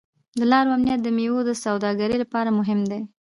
د لارو امنیت د میوو د سوداګرۍ لپاره مهم دی.